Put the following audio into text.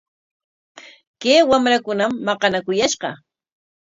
Kay wamrakunam maqanakuyashqa.